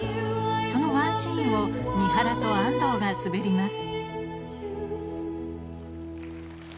そのワンシーンを三原と安藤が滑ります